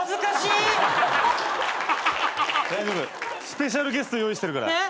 スペシャルゲスト用意してるから。